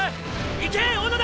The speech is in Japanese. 行け小野田！！